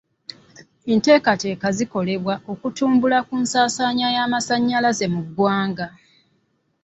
Enteekateeka zikolebwa okutumbula ku nsaasaanya y'amasannyalaze mu ggwanga.